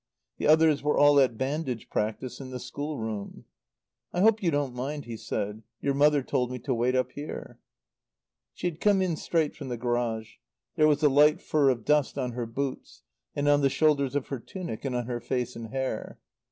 The others were all at bandage practice in the schoolroom. "I hope you don't mind," he said. "Your mother told me to wait up here." She had come in straight from the garage; there was a light fur of dust on her boots and on the shoulders of her tunic, and on her face and hair.